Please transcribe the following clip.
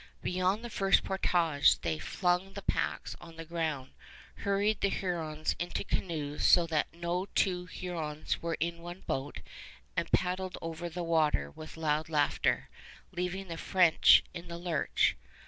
Beyond the first portage they flung the packs on the ground, hurried the Hurons into canoes so that no two Hurons were in one boat, and paddled over the water with loud laughter, leaving the French in the lurch.